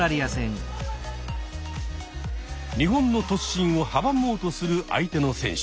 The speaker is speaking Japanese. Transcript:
日本の突進を阻もうとする相手の選手。